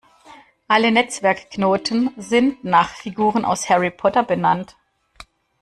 Alle Netzwerkknoten sind nach Figuren aus Harry Potter benannt.